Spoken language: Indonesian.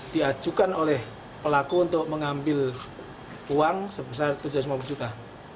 diajukan oleh pelaku untuk mengambil uang sebesar tujuh ratus lima puluh juta